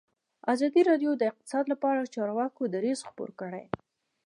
ازادي راډیو د اقتصاد لپاره د چارواکو دریځ خپور کړی.